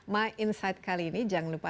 my insight kali ini jangan lupa